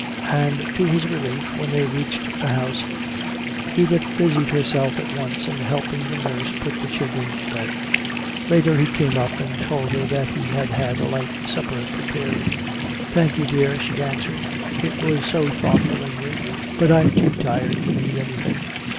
And to his relief, when they reached the house, Edith busied herself at once in helping the nurse put the children to bed. Later he came up and told her that he had had a light supper prepared. "Thank you, dear," she answered, "it was so thoughtful in you. But I'm too tired to eat anything."